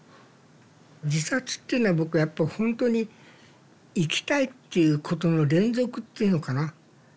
自殺っていうのは僕はやっぱほんとに生きたいっていうことの連続っていうのかな。